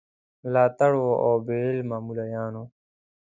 ملاتړو او بې علمو مُلایانو.